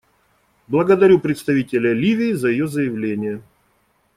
Благодарю представителя Ливии за ее заявление.